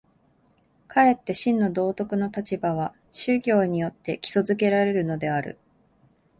かえって真の道徳の立場は宗教によって基礎附けられるのである。